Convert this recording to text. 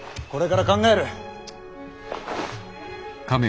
これから考える。